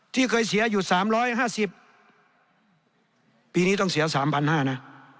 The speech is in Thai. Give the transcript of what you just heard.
ที่เคยเสียอยู่๓๕๐ปีนี้ต้องเสีย๓๕๐๐นะ